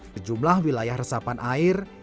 kejumlah wilayah resapan air